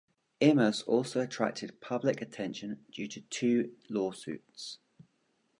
Imus also attracted public attention due to two lawsuits.